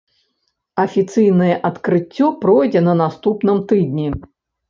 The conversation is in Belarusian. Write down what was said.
Афіцыйнае адкрыццё пройдзе на наступным тыдні.